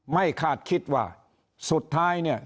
คาดคิดว่าสุดท้ายเนี่ย